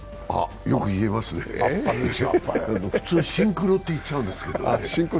よく言えますね、私はシンクロって言っちゃうんですけど。